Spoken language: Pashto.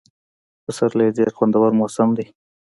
پسرلی ډېر خوندور موسم دی.